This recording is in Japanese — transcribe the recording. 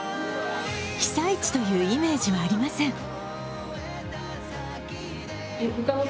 被災地というイメージはありません。